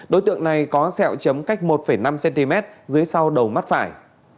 đối tượng này có sẹo chấm cách một năm cm dưới sau đầu mắt phải